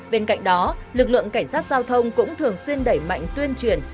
bên cạnh đó lực lượng cảnh sát giao thông cũng thường xuyên đẩy mạnh tuyên truyền